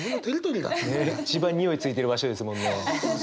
一番匂いついてる場所ですもんね。